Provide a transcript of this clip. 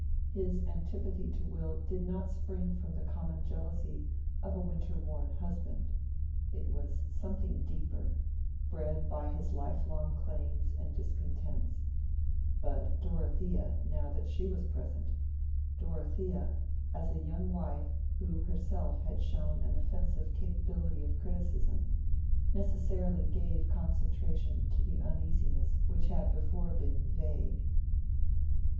His antipathy to Will did not spring from the common jealousy of a winter worn husband: it was something deeper, bred by his lifelong claims and discontents; but Dorothea, now that she was present—Dorothea, as a young wife who herself had shown an offensive capability of criticism, necessarily gave concentration to the uneasiness which had before been vague.